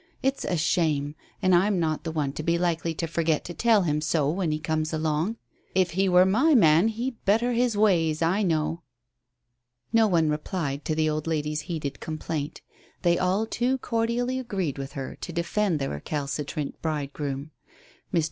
It's a shame, and I'm not the one to be likely to forget to tell him so when he comes along. If he were my man he'd better his ways, I know." No one replied to the old lady's heated complaint. They all too cordially agreed with her to defend the recalcitrant bridegroom. Mr.